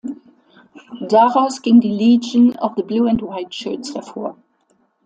Daraus ging die "Legion of the Blue and White Shirts" hervor.